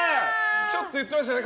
ちょっと言ってましたよね